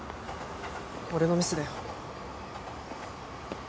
俺のミスだよ。